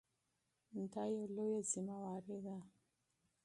دا یو لوی مسؤلیت دی.